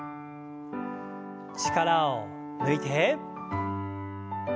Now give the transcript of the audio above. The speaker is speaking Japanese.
力を抜いて。